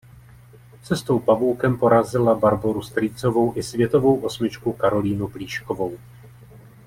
Cestou pavoukem porazila Barboru Strýcovou i světovou osmičku Karolínu Plíškovou.